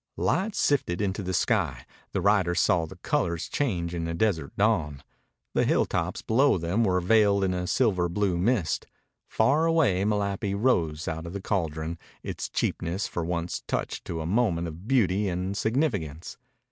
Light sifted into the sky. The riders saw the colors change in a desert dawn. The hilltops below them were veiled in a silver blue mist. Far away Malapi rose out of the caldron, its cheapness for once touched to a moment of beauty and significance.